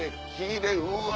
うわ！